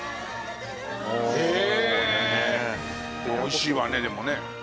美味しいわねでもね。